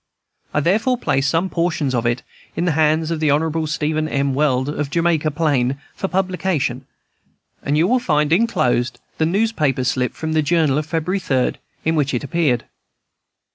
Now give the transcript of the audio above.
I therefore placed some portions of it in the hands of Hon. Stephen M. Weld, of Jamaica Plain, for publication, and you will find enclosed the newspaper slip from the "Journal" of February 3d, in which it appeared.